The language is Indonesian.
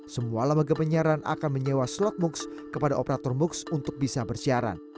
semua lembaga penyiaran akan menyewa slot moocs kepada operator moocs untuk bisa bersiaran